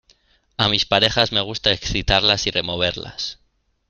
a mis parejas me gusta excitarlas y removerlas